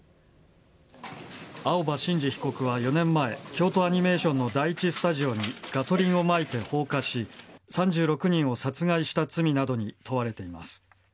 青葉真司被告は４年前京都アニメーションの第１スタジオにガソリンをまいて放火し３６人を殺害した罪などに問われています。